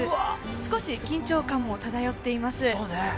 少し緊張感も漂っています。